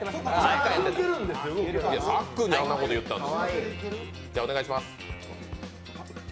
さっくんにあんなこと言ったんですから。